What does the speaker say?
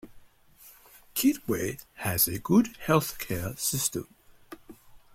Kitwe has a good health care system.